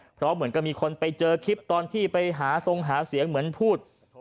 เพราะเหมือนก็มีคนไปเจอคลิปตอนที่ไปหาทรงหาเสียงเหมือนพูด